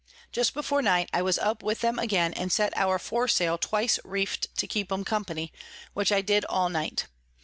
Just before night I was up with them again, and set our Fore Sail twice reef'd to keep 'em Company, which I did all night.